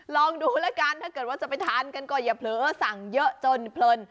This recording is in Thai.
ลองดูแล้วกันถ้าเกิดว่าจะไปทานกันก็อย่าเผลอสั่งเยอะจนเพลิน